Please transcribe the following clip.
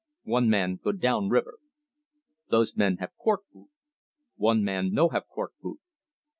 One man go down river. Those men have cork boot. One man no have cork boot.